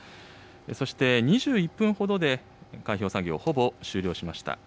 そして２１分ほどで開票作業、ほぼ終了しました。